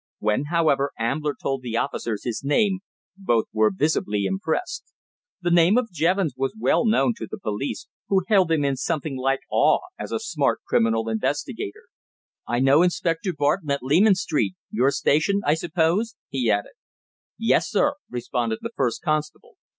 When, however, Ambler told the officers his name, both were visibly impressed. The name of Jevons was well known to the police, who held him in something like awe as a smart criminal investigator. "I know Inspector Barton at Leman Street your station, I suppose?" he added. "Yes, sir," responded the first constable.